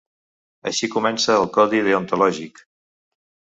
Així comença el codi deontològic.